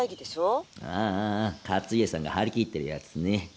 ああ勝家さんが張り切ってるやつね。